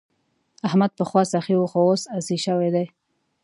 احمد پخوا سخي وو خو اوس اسي شوی دی.